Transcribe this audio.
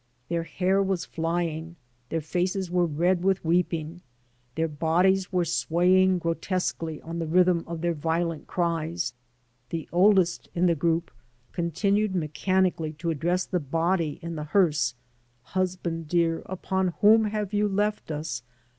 Their hair was flying, their faces were red with weeping, their bodies were swaying grotesquely to the rhythm of their violent cries. The oldest in the group continued mechanically to address the body in the hearse: ''Husband dear, upon whom have you left us.'